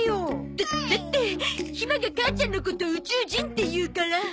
だだってひまが母ちゃんのこと宇宙人って言うから。